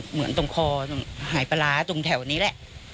เหมือนตรงคอตรงหายปลาร้าตรงแถวนี้แหละ